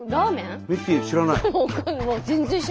ミキティ知らない？